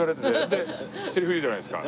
でセリフ言うじゃないですか。